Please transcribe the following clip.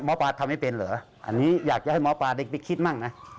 ป่าทำให้เป็นเหรออันนี้อยากจะให้หมอปลาเด็กไปคิดมั่งนะ